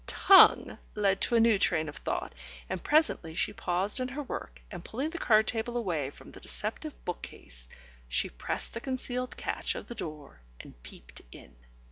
... "Tongue" led to a new train of thought, and presently she paused in her work, and pulling the card table away from the deceptive book case, she pressed the concealed catch of the door, and peeped in.